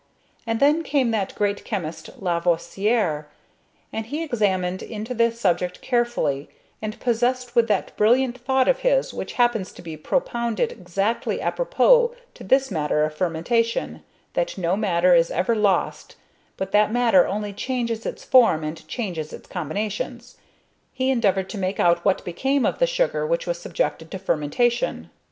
And then came that great chemist Lavoisier, and he examined into the subject carefully, and possessed with that brilliant thought of his which happens to be propounded exactly apropos to this matter of fermentation that no matter is ever lost, but that matter only changes its form and changes its combinations he endeavoured to make out what became of the sugar which was subjected to fermentation.